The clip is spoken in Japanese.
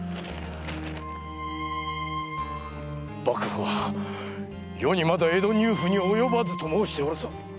幕府は余にまだ江戸入府には及ばずと申しておるぞ。